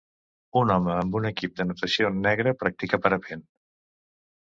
Un home amb un equip de natació negre practica parapent.